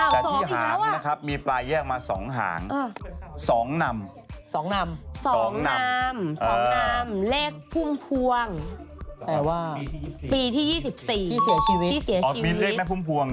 แปลว่าปีที่๒๔ที่เสียชีวิตที่เสียชีวิตอ๋อมีเลขแม่พุ่มพวง